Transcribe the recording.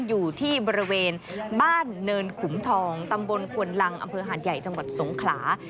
อยู่ที่บริเวณบ้านเนินขุมทองตำบลควนลังอำเภอหาดใหญ่จังหวัดสงขลา